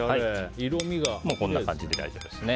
こんな感じで大丈夫です。